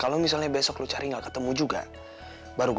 lebih baik kau pulang